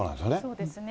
そうですね。